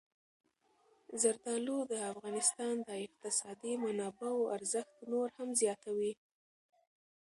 زردالو د افغانستان د اقتصادي منابعو ارزښت نور هم زیاتوي.